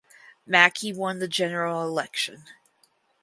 Mackey won the general election.